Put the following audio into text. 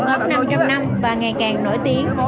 ngọt năm trăm linh năm và ngày càng nổi tiếng